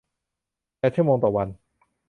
แปดชั่วโมงต่อวัน